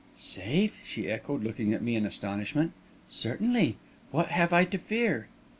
"Safe?" she echoed, looking at me in astonishment. "Certainly. What have I to fear?"